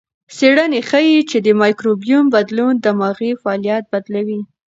څېړنه ښيي چې د مایکروبیوم بدلون دماغي فعالیت بدلوي.